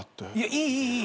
いいいい。